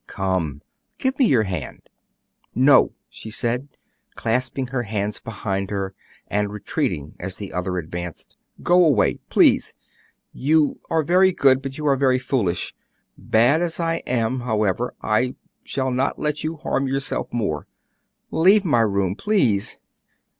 Come, give me your hand." "No," she said, clasping her hands behind her and retreating as the other advanced; "go away, please. You are very good, but you are very foolish. Bad as I am, however, I shall not let you harm yourself more; leave my room, please."